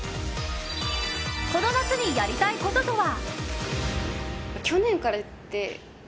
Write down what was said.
この夏にやりたいこととは？